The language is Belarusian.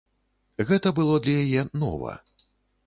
Гэта было для яе нова.